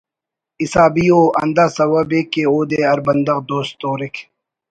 حسابی ءُ) ہندا سوب ءِ کہ اودے ہر بندغ دوست تورک